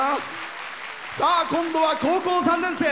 今度は高校３年生。